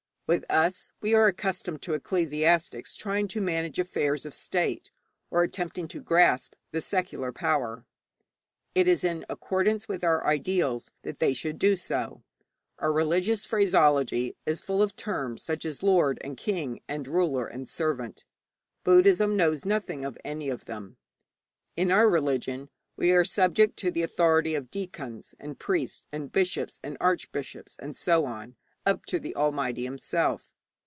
With us, we are accustomed to ecclesiastics trying to manage affairs of state, or attempting to grasp the secular power. It is in accordance with our ideals that they should do so. Our religious phraseology is full of such terms as lord and king and ruler and servant. Buddhism knows nothing of any of them. In our religion we are subject to the authority of deacons and priests and bishops and archbishops, and so on up to the Almighty Himself.